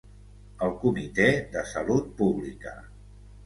El Comitè de Salut Pública.